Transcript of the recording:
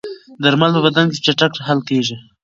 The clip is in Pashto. درمل په بدن کې چټک حل کېږي.